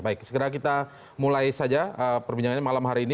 baik segera kita mulai saja perbincangannya malam hari ini